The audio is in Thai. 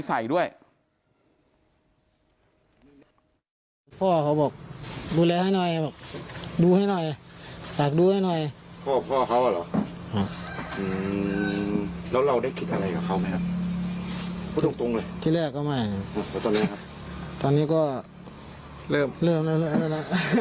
ที่แรกก็ไม่ครับตอนนี้ก็เริ่มเรื่อย